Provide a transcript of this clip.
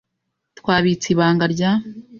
Twabitse ibanga rya .